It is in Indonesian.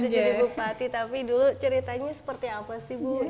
jadi bupati tapi dulu ceritanya seperti apa sih bu